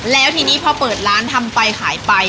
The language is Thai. แล้วทีนี้พอเปิดร้านทำไปขายไป